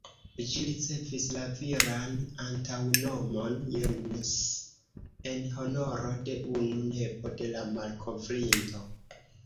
Ĝi ricevis la viran antaŭnomon ""Jens"" en honoro de unu nepo de la malkovrinto.